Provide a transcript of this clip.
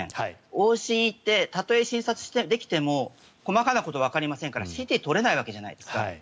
往診に行ってたとえ診察できても細かなことはわかりませんからＣＴが撮れないわけじゃないですか。